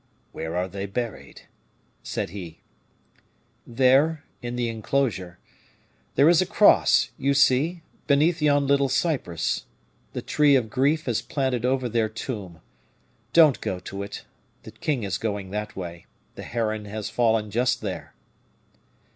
"Where are they buried?" said he. "There, in the inclosure. There is a cross, you see, beneath yon little cypress. The tree of grief is planted over their tomb; don't go to it; the king is going that way; the heron has fallen just there."